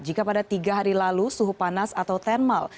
jika pada tiga hari lalu suhu panas atau thermal